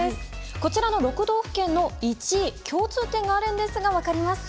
こちらの６道府県の１位共通点があるんですが分かりますか？